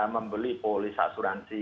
membeli polis asuransi